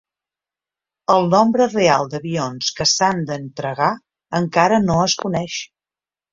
El nombre real d'avions que s'han d'entregar encara no es coneix.